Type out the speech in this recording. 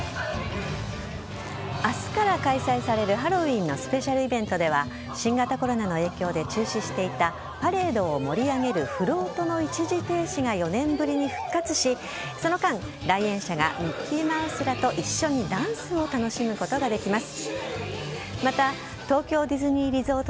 明日から開催されるハロウィーンのスペシャルイベントでは新型コロナの影響で中止していたパレードを盛り上げるフロートの一時停止が４年ぶりに復活しその間、来園者がミッキーマウスらと一緒にダンスを楽しむことができます。